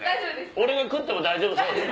俺が食っても大丈夫そうですか？